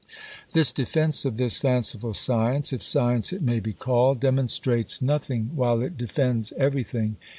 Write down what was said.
This defence of this fanciful science, if science it may be called, demonstrates nothing, while it defends everything.